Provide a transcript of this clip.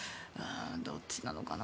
どっちなのかな。